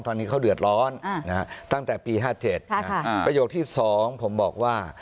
ตอนนี้เขาเดือดร้อนตั้งแต่ปี๕๗ประโยคที่๒ผมบอกว่า